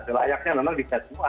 selayaknya memang bisa semua